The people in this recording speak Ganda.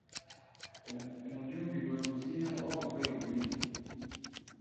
Omujjumbi bw'obuziina oba obugoye obuyulifu.